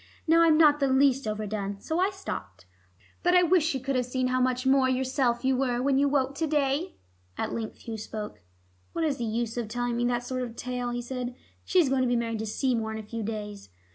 Now I'm not the least overdone. So I stopped. But I wish she could have seen how much more yourself you were when you woke to day." At length Hugh spoke. "What is the use of telling me that sort of tale?" he said. "She is going to be married to Seymour in a few days.